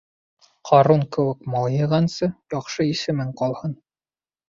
Ҡарун кеүек мал йыйғансы, яҡшы исемең ҡалһын.